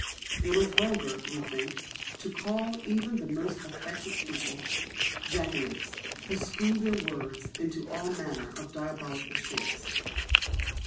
It is vulgar, we think, to call even the most affected people "jackanapes, who screw their words into all manner of diabolical shapes."